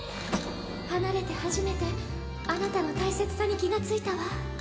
離れて初めてあなたの大切さに気がついたわ